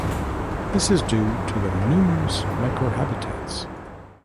This is due to the numerous microhabitats.